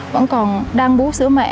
vẫn còn đang bú sữa mẹ